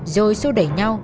rồi xô đẩy nhau